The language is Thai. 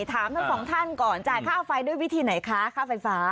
ถามทั้งสองท่านก่อนจ่ายค่าไฟด้วยวิธีไหนคะค่าไฟฟ้า